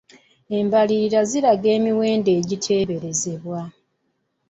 Embalirira ziraga emiwendo egiteeberezebwa.